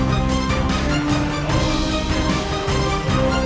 tak perlu beramban